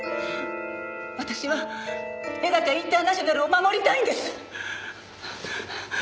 私は絵高インターナショナルを守りたいんです！